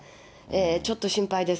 ちょっと心配です。